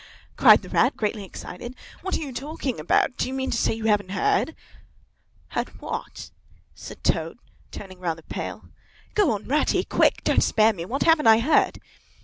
cried the Rat, greatly excited. "What are you talking about? Do you mean to say you haven't heard?" "Heard what?" said Toad, turning rather pale. "Go on, Ratty! Quick! Don't spare me! What haven't I heard?"